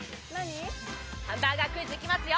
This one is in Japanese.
ハンバーガークイズいきますよ。